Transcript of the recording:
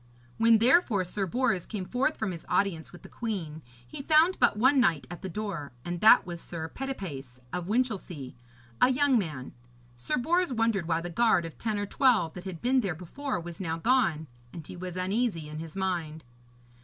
When, therefore, Sir Bors came forth from his audience with the queen, he found but one knight at the door, and that was Sir Petipace of Winchelsea, a young man. Sir Bors wondered why the guard of ten or twelve that had been there before was now gone, and he was uneasy in his mind.